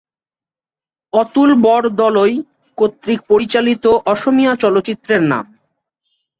অতুল বরদলৈ কর্তৃক পরিচালিত অসমীয়া চলচ্চিত্রের নাম